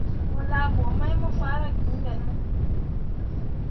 We laa bə mai mo faara gŋ be ne?